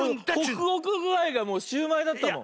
ホクホクぐあいがもうシューマイだったもん。